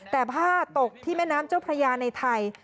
แต่ผ้าตกที่แม่น้ำเจ้าพระยาในไทย